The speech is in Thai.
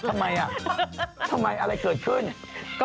ทำไมอ่ะทำไมอ่ะทำไมอะไรเกิดขึ้นให้เยอะเป็นหน้าฉันตกก่อน